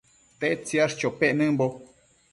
¿Tedta yash chopec nëmbo ?